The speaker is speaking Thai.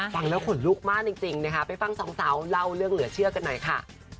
ฟังแล้วขนลุกมากจริงนะคะไปฟังสองสาวเล่าเรื่องเหลือเชื่อกันหน่อยค่ะ